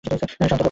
শান্ত হও, প্রিয়ে।